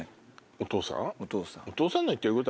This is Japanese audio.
お父さん。